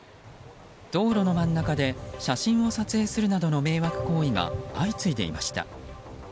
道路の真ん中で写真を撮影するなどの迷惑行為が相次いでいました。